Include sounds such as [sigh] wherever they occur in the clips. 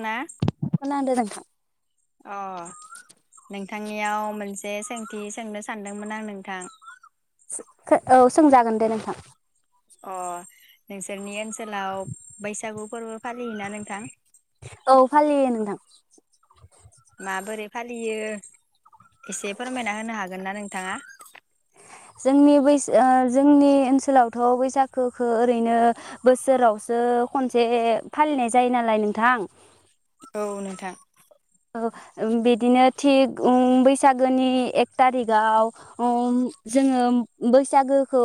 ना खोनादों नोंथां अ नोंथांनियाव मोनसे सोंथि सोंनो सानदोंमोन आं नोंथां। [unintelligible] औ सोंजागोन दे नोंथां। अ। नोंसोरनि ओनसोलाव बैसागु फोरबो फालियोना नोंथां। औ फालियो नोंथां माबोरै फालियो एसे फोरमायना होनो हागोन ना नोंथाङा? जोंनि बैसा ओ जोंनि ओनसोलावथ बैसागुखौ ओरैनो बोसोरावसो खनसे फालिनाय जायो नालाय नोंथां औ नोंथां। ओ बिदिनो थिग उ बैसागोनि एक थारिखआव अम जोङो बैसागोखौ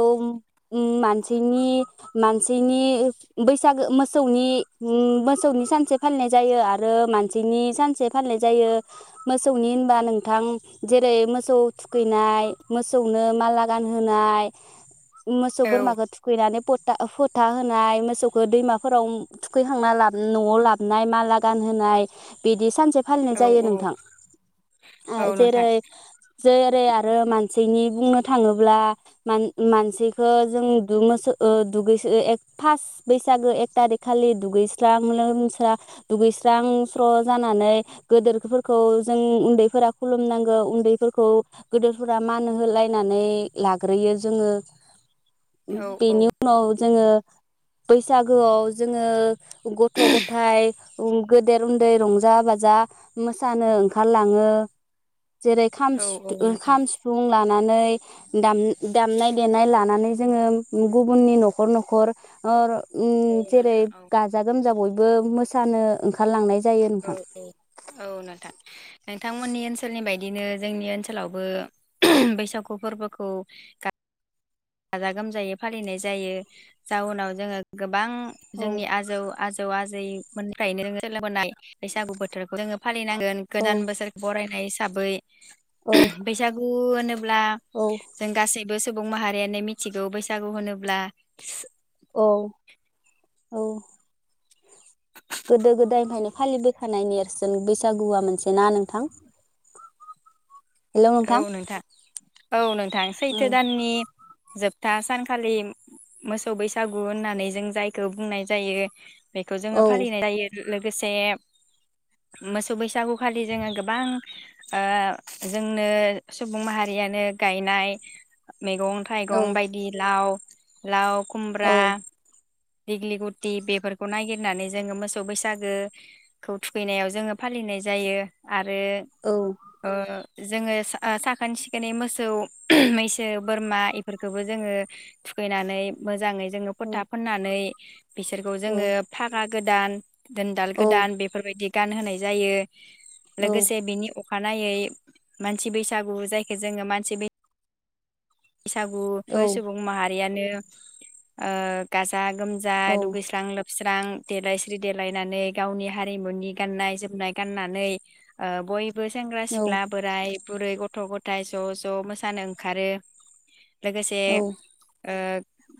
मानसेनि मानसिनि बैसागो मोसौनि मोसौनि सानसे फालिनाय जायो आरो मानसिनि सानसे फालिनाय जायो मोसौनि होनबा नोंथां जेरै मोसौ थुखैनाय मोसौनो माला गानहोनाय। मोसौ औ बोरमाखौ थुखैनानै फथा फोन। होनाय मोसौखौ दैमाफोराव थुखैखांना लाब नआव लाबोनाय माला गानहोनाय बिदि सानसे फालिनाय औ जायो औ नोंथां औ आरो जेरै नोंथां जेरै आरो मान। मानसेनि बुंनो थाङोब्ला मानसिखौ जों दु मोसो दुगैसो फास्ट बैसागो एक थारिक खालि दुगैस्रां लोमस्रां दुगैस्रां स्र' जानानै। गोदोरफोरखौ जों उन्दैफोरा खुलुमनांगौ उन्दैफोरखौ गोदोरफोरा मान होलायनानै लाग्रोयो जोङो औ औ बेनि उनाव जोङो। बैसागोआव जोङो। गथ' गथाय उम गेदेर उन्दै रंजा बाजा। मोसानो ओंखारलाङो जेरै खाम औ सि औ थु नोंथां खाम सिफुं लान- नानै दाम दामनाय देनाय लानानै जोङो गुबुननि नखर नखर [unintelligible] उम औ जेरै नोंथां औ गाजा गोमजा बय बो मोसानो ओंखारलांनाय। जायो औ नोंथां। औ औ नोंथां नोंथांमोननि ओनसोलनि बायदिनो जोंनि ओनसोलावबो [unintelligible] बैसागु फोरबोखौ गाजा गोमजायै फालिनाय जायो जाउनाव जोङो गोब बां औ जोंनि आजौ आजौ आजैमोननिफ्रायनो सोलोंबोनाय बैसागु बोथोरखौ जोङो फालि फालिनांगोन औ गोदान बोसोर बरायनाय थाबै औ बैसागु ब्ला औ जों गासै बे सुबुं माहारि [unintelligible] आनो मिथिगौ बैसागु होनोब्ला औ औ। गोदो गोदाय फायनो। फालि बोखानायनि नेरसोन बैसागुआ मोनसे ना नोंथां। औ नोंथां औ नोंथां औ सैथो दाननि जोबथा सानखालि मोसौ बैसागु होननानै जों जायखौ बुंनाय जायो। बेखौ जोङो औ फालिनाय जायो। गोसे मोसौ बैसागु खालि जोङो गोबां ओ जोंनो सुबुं माहारियानो गायनाय मैगं औ थाइगं बायदि लाव लाव खुमब्रा दिगलि गुथि बेफोरखौ नागिरनानै जोङो मोसौ बैसागोखौ थुखैनायाव जोङो फालिनाय जायो आरो आरो औ ओ जोङो सा ओ साखोन सिखोनै मोसौ मैसो बोरमा इफोरखौबो जोङो थुखैनानै मोजाङै जोंनो औ फोथा फोननानै बिसोरखौ औ जोङो फागा गोदान दोनदाल औ गोदान बेफोरबायदि गानहोनाय जायो। लोगोसे बेनि उ अखानायै मानसि बैसागु जायखौ जोङो मानसि बै औ बैसागुबो सुबुं माहारियानो ओ गासै जा गोमजा दुगैस्रां लोबस स्रां देलायस्रि देलायनानै गावनि हारिमुनि गाननाय जोमनाय गाननानै ओ बय बो सेंग्रा औ सिख्ला बोराय बुरै गथ गथाय ज ज मोसानो ओंखारो लोगोसे ओ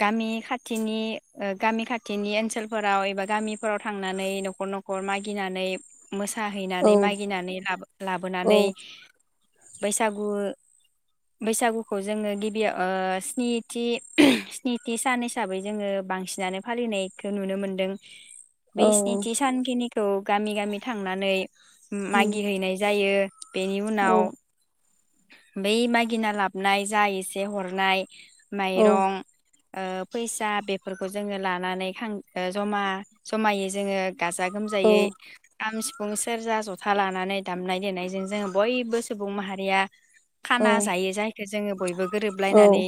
गामि खाथिनि ओ गामि खाथिनि ओनसोलफोराव एबा गामिफोराव थांनानै न'खर न'खर मागिनानै मोसाहैनानै मागिनानै लाबो औ लाबोनानै बैसागु बैसागु खौ जोंङो गिबि ओ स्निथि स्निथि सान हिसाबै जोंङो बांसिनानो फालिनायखौ नुनो मोनदों । बेै स्निथि सानखिनि थ' गामि गामि थांनानै उम मागि हैैनाय जायो बेनि औ उनाव बै मागिना लाबनाय जा एसे हरनाय औ माइरं ओ फैसा बेफोरखौ जोङो लानानै खां ओ जमा जमायो जोङो गाजा औ गोमजायै खाम सिफुं सेरजा जथा लानानै दामनाय देनायजों जोङो बयबो सुबुं माहारिया औ खाना जायो जायखौ जोङो बयबो औ गोरोबलायनानै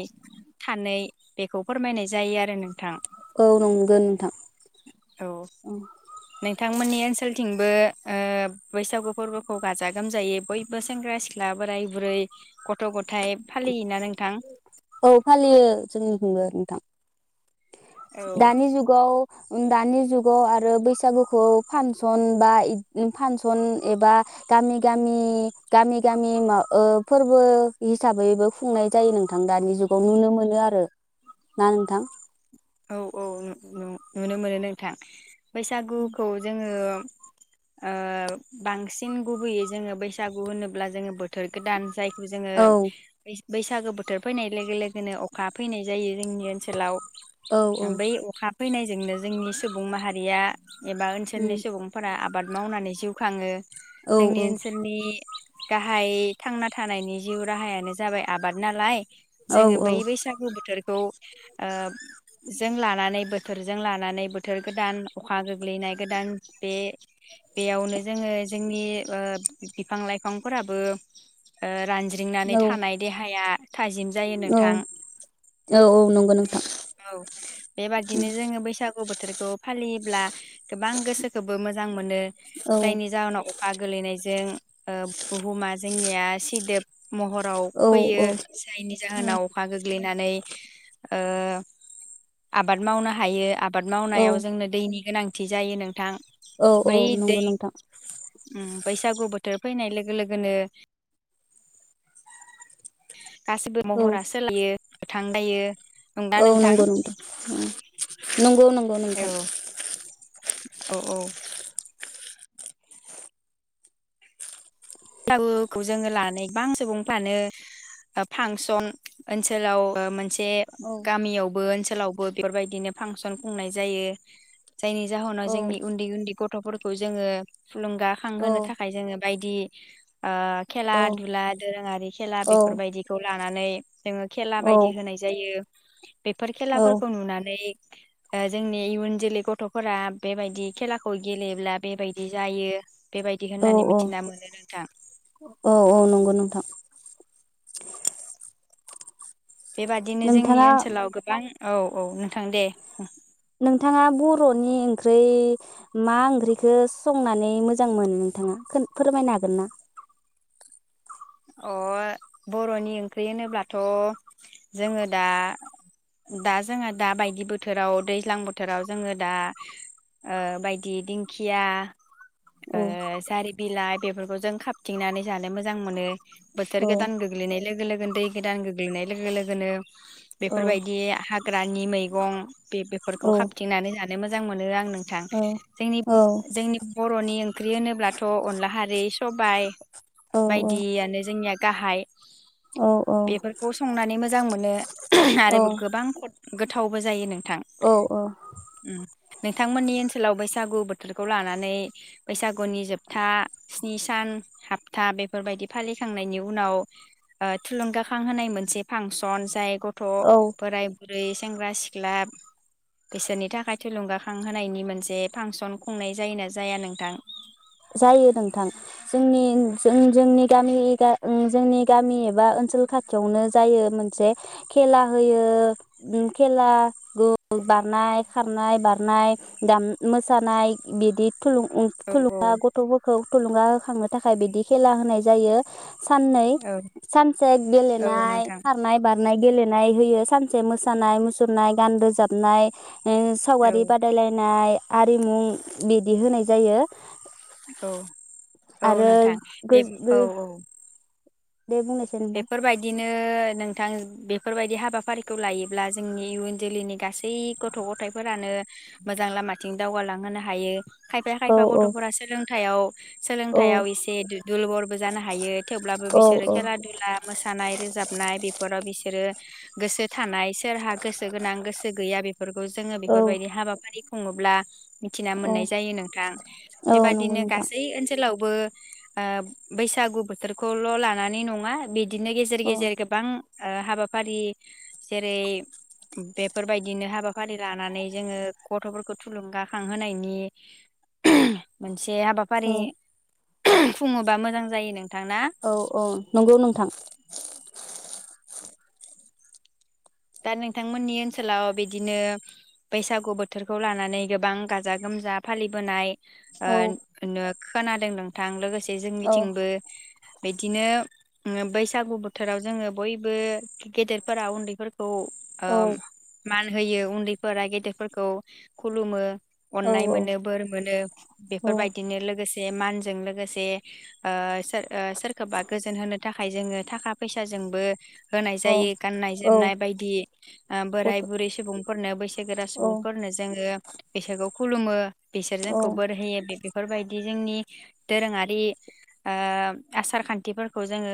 थानै बेखौ फोरमायनाय जायो आरो नों थां औ नंगौ नोंथां औ नोंथांमोननि ओनसोल थिंबो ओ बैसागु फोरबोखौ गाजा गोमजायै बयबो सेंग्रा सिख्ला बोराय ब्रै [unintelligible] औ फालियो जोंनिथिंबो नोंथां । औ दानि जुगाव दानि जुगाव आरो बैसागुखौ फांसन बा इ फांसन एबा गामि गामि गामि गामि मा ओ फोरबो हिसाबैबो खुंनाय जायो नोंथां दानि जुगाव नुनो मोनो आरो ना नोंथां? औ औ नु -नु -नुनो मोनो नोंथां बैसागुखौ जोङो ओ बांसिन गुबैयै जोंङो बैसागु होनोब्ला जोंङो बोथोर गोदान जाय बुजोङो औ बैस बैसागो बोथोर फैनाय लोगो लोगोनो अखा फैनाय जायो जोंनि ओनसोलाव औ औ ओम बै अखा फैनायजोंनो जोंनि सुबुं माहारिया एबा उम ओनसोलनि सुबुंफोरा आबाद मावनानै जिउ खाङो। औ जोंनि औ ओनसोलनि गाहाय थांना थानायनि जिउ राहायानो जाबाय आबाद नालाय जोङो बै बैसागु बोथोरखौ ओ जों लानानै बोथोरजों लानानै बोथोर गोदान अखा गोग्लैनाय गोदान बे बेयावनो जोङो जोंनि ओ बिफां लाइफांफोराबो ओ रानज्रिंनानै औ थानाय देहाया थाजिम जायो औ नोंथां औऔ नंगौ नोंथां। औ बेबादिनो जोङो बैसागु बोथोरखौ फालि फालियोब्ला गोबां गोसोखौबो मोजां मोनो औ जायनि जाहोनाव अखा गोलैनायजों अ बुहुमा जोंनिया सिदोब महराव फैयो औ जायनि जाहोनाव अखा गोग्लैना नानै ओ आबाद मावनो हायो आब आबाद मावनायाव औ जोंनो दैनि गोनां थि जायो नों औ औ नंगौ नोंथां। उम बैसागु बोथोर फैनाय लोगो लोगोनो गासिबो औ महरा सोलायो गोथां दायो नंदा औ नों नंगौ नंगौ उम नंगौ नंगौ औ नोंथां। औ औ। बैसागुखौ जोङो लानानै गोबां सुबुंफ्रानो फांसन ओनसोलाव मोनसे औ गामियावबो ओनसोलावबो बेफोरबायदिनो फांसन खुंनाय जायो। जायनि जाहोनाव औ जोंनि उन्दै -उन्दै गथ थफोरखौ जोङो औ थुलुंगाखांहोनो थाखाय जोङो बायदि [inaudible] ओ खेला औ दुला दोरोङारि खेला औ बेफोरबायदिखौ ला नानै जोङो खेला बायदि होनाय जायो बेफोर औ खेलाफोरखौ नुनानै ओ जोंनि इयुन जोलै गथ'फोरा बेबायदि खेलाखौ गेलेयोब्ला बेबायदि जायो बेबायदि औ होननानै मिथिना मोनो औ औ नंगौ नोंथां। बेबादिनो जोंनि नोंथाङा ओनसोलाव गोबां औ औ नोंथां दे नोंथाङा बर'नि ओंख्रै मा ओंख्रिखौ संनानै मोजां मोनो नोंथाङा खोन फोरमायनो हागोन ना? अ बर'नि ओंख्रि होनोब्लाथ' जोङो दा दा जोङो दा बायदि बोथोराव दैज्लां बोथोराव जोङो दा ओ बायदि दिंखिया ओ औ जारि बिलाइ बेफोरखौ जों खाबथिंनानै जानो मोजां मोनो बोथोर औ गोदान गोग्लैनाय लोगो लोगोनो दै गोदान गो ग्लैनाय लोगो लोगोनो औ बेफोरबायदि हाग्रानि मैगं बे औ बेफोरखौ खाबथिंनानै जानो मोजां मोनो आं नोंथां औ जोंनि औ जोंनि बर'नि ओंख्रि होनोब्ला फथ' अनलाहारि सबाइ। औ बायदि आनो निया गाहाय। औ औ बेफोरखौ संनानै मोजां मोनो [unintelligible] आरो गोबां गोथावबो जायो नो औ औ। नोंथांमोननि ओनसोलाव बैसागु बोथोरखौ लानानै बैसागुनि जोबथा स्नि सान हाबथा बेफोरबायदि फालि खांनायनि उनाव ओ थुलुंगाखां होनाय मोनसे फांसन जाय गथ' औ बोराइ बोरै सेंग्रा सिख्ला बिसोरनि थाखाय थुलुंगाखां होनायनि मोनसे फांसन खुंनाय जायोना जाया नोंथां जायो नोंथां जोंनि जों जोंनि गामि गा ओ जोंनि गामि एबा ओनसोल खाथियावनो जायो मोनसे खेला होयो ओ खेला बारनाय खारनाय बारनाय दाम मोसानाय बिदि थुलुं ओ औ थुलुं औ दा गथ'फोरखौ थुलुंगा खांनो थाखाय बिदि खेला होनाय जायो। साननै औ सानसे औ गेलेनाय नोंथां खारनाय बार खननाय गेलेनाय होयो सानसे मोसानाय मुसुरनाय गान रोजाबनाय उम सावगारि औ बादायलायनाय आरिमु बिदि होनाय जायो औ औ आरो नोंथां बे गोज गो औ औ दे बुंनायसै नोंथां बेफोरबायदिनो नों थां बेफोरबायदि हाबाफारिखौ लायोब्ला जोंनि इयुन जोलैनि गासै गथ' गथायफोरानो मोजां लामाथिं दावगालां मानो हायो खायफा औ खायफा औ गथ'फोरा सोलोंथायाव औ सोलोंथायाव एसे दु दोरबल बोजानो हायो थेवब्लाबो औ बिसोरो खेला दुला मोसानाय रोजाबनाय बेफोराव बिसोरो गोसो थानाय सोरहा गोसो गोनां गोसो गैया बेफोरखौ जोङो औ बेफोरबायदि हाबाफारि खुङोब्ला मिथिना औ मोननाय जायो नोंथां औ नंगौ बेबादिनो नोंथां गासै ओनसोलाव बो ओ बैसागु बोथोरखौल' लानानै नङा। बिदिनो गेजेर औ गेजेर गोबां ओ हाबाफारि जेरै बेफोरबायदिनो हाबाफारि लानानै जोङो गथ'फोरखौ थुलुंगाखांहोनायनि मोनसे औ हाबाफारि [unintelligible] फुङोबा मोजां जायो नों औ औ नंगौ नोंथां [unintelligible] दा नोंथांमोननि ओनसोलाव बिदिनो बैसागु बोथोरखौ लानानै गोबां गाजा गोमजा फालिबोनाय ओ औ नो खोनादों नोंथां लोगोसे जे औ जोंनिथिंबो बिदिनो बैसागु बोथोराव जोङो बयबो गेदेरफोरा उन्दैफोरखौ औ औ ओ मान होयो उन्दै फोरा गेदेरफोरखौ खुलुमो । अननाय औ मोनो बोर मोनो औ बेफोरबायदिनो लोगोसे बे मानजों लोगोसे ओ सोर सोरखौबा गोजोन होनो थाखाय जोङो थाखा फैसाजोंबो होनाय औ जायो गाननाय औ जोमनाय दि ओ बोराय गथ' बुरै सुबुंफोरनो बैसोगोरा औ सुबुंफोरनो जोङो बैसागु खुलुमो औ बिसोरजोंखौ बोर होयो बे बेफोरबायदि जोंनि दोरोङारि ओ आसार खान्थिफोरखौ जोङो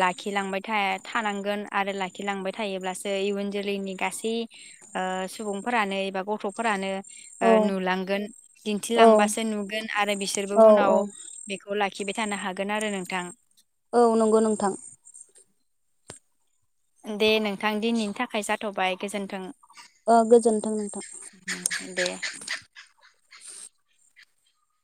लाखिलांबाय था थानांगोन आरो लाखिलांबाय थायोब्लासो नै इयुन जोलैनि गासै ओ सुबुंफोरानो एबा गथ'फोरानो ओ औ नुलांगोन औ दिन्थिलांबासो नुगोन आरो बिसोरबो औ उनाव बेखौ खौ लाखिबाय थानो हागोन आरो नोंथां औ नंगौ नोंथां। दे नोंथां दिनैनि थाखाय जाथ'बाय गोजोन्थों। ओ गोजोनथों नोंथां दे ।